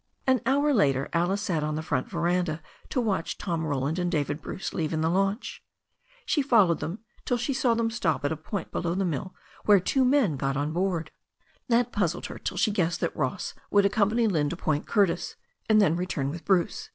An hour later Alice sat on the front veranda to watch Tom Roland and David Bruce leave in the launch. She fol lowed them till she saw them stop at a point below the mill where two men got aboard. That puzzled her till she guessed that Ross would accompany Lynne to Point Curtis, and then return with Bruce.